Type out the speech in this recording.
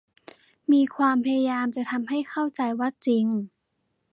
มีความพยายามจะทำให้เข้าใจว่าจริง